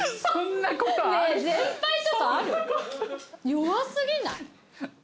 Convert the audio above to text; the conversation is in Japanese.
そんなことある？